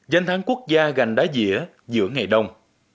danh thắng quốc gia gành đá dĩa giữa ngày đông